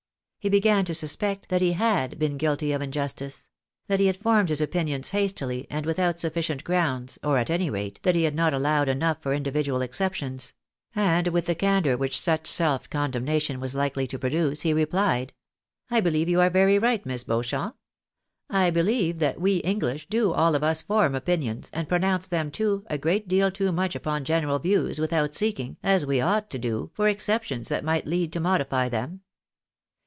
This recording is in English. He began to suspect, that he had been guilty of injustice ; that he had formed his opinions hastily, and without sufficient grounds, or, at any rate, that he had not allowed enough for individual exceptions ; and, with the candour which such self condemnation was likely to produce, he replied —" I believe you are very right, Miss Beauchamp. I believe that ji iy j!.ALrivUSBlJ<G CONVEESATION. 1G3 we English do all of us form opinions, and pronounce them too, a great deal too much upon general views, ■without seeking — as we ought to do — for exceptions that might lead to modify them.